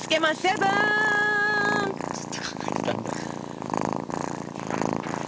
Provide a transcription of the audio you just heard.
ずっと考えてたんだ？